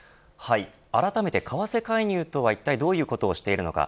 あらためて、為替介入とはいったいどういうことをしているのか。